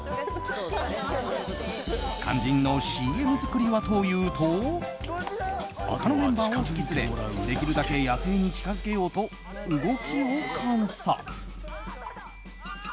肝心のＣＭ作りはというと他のメンバーを引き連れできるだけ野生に近づけようと動きを観察。